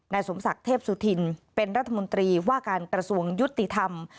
สมศักดิ์เทพสุธินเป็นรัฐมนตรีว่าการกระทรวงยุติธรรม